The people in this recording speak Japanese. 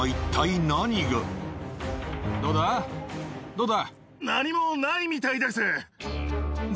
どうだ？